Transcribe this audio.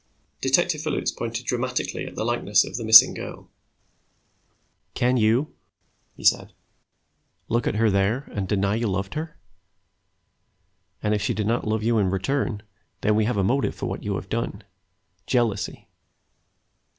Detective Phillips pointed dramatically to the likeness of the missing girl. "Can you," he said, "look at her there, and deny you loved her? And if she did not love you in return, then we have a motive for what you have done jealousy.